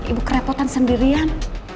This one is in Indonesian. ibu kerepotan sendirian